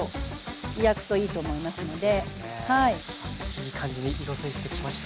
いい感じに色づいてきました。